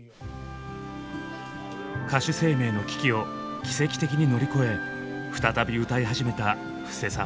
歌手生命の危機を奇跡的に乗り越え再び歌い始めた布施さん。